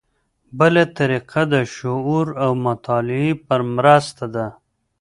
بله طریقه د شعور او مطالعې په مرسته ده.